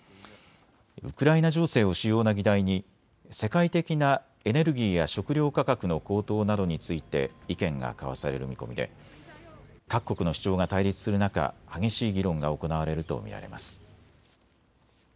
ウクライナ情勢を主要な議題に世界的なエネルギーや食料価格の高騰などについて意見が交わされる見込みで各国の主張が対立する中、激しい議論が行われると見られます。